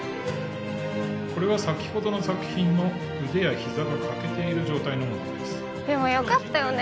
これは先ほどの作品の腕や膝が欠けている状態のものなんですでもよかったよね